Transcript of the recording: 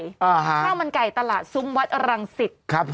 ข้าวมันไก่ตลาดซุ้มวัดอรังสิตครับ